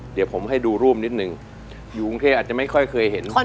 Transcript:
เดี๋ยวผมให้ดูรูปนิดนึงอยู่กรุงเทพอาจจะไม่ค่อยเคยเห็น